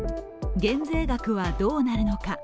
減税額はどうなるのか。